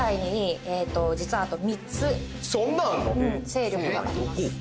勢力があります